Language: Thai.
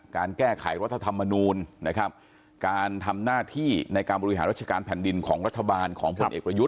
การแก้ไขรัฐธรรมนูลนะครับการทำหน้าที่ในการบริหารราชการแผ่นดินของรัฐบาลของพลเอกประยุทธ์